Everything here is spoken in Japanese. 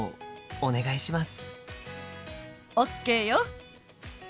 お願いします。